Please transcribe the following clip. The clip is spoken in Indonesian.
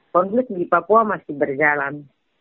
konflik di papua masih berjalan